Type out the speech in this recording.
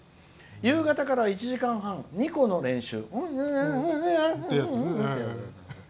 夕方から１時間半二胡の練習。